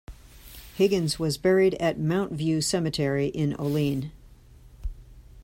Higgins was buried at Mount View Cemetery in Olean.